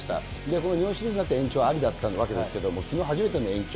この日本シリーズになって延長ありだったわけですけれども、きのう、初めての延長。